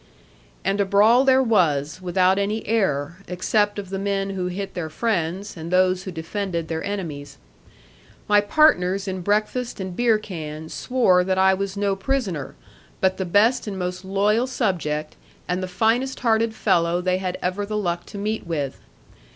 And a brawl there was, without any error, except of the men who hit their friends, and those who defended their enemies. My partners in breakfast and beer can swore that I was no prisoner, but the best and most loyal subject, and the finest hearted fellow they had ever the luck to meet with.